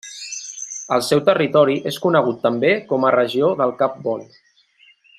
El seu territori és conegut també com a regió del Cap Bon.